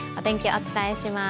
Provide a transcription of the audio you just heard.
お伝えします